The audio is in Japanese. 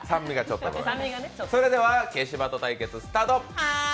それでは消しバト対決、スタート！